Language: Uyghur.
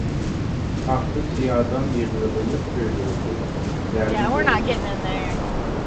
ساختا «سىيادان» يىغىۋېلىنىپ كۆيدۈرۈلدى، زەربە بېرىلدى.